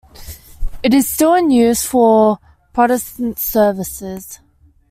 It is still in use for Protestant services.